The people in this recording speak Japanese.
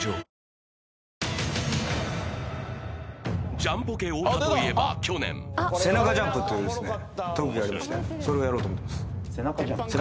［ジャンポケ太田といえば去年］という特技がありましてそれをやろうと思ってます。